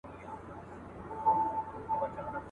ملنګه ! دا د کومې درواﺯې خواه دې نيولې ..